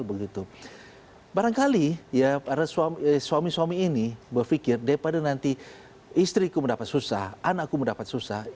barangkali suami suami ini berpikir daripada nanti istriku mendapat susah anakku mendapat susah